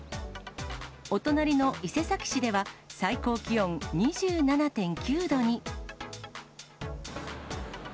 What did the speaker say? お隣の伊勢崎市では、最高気温２７．９度に。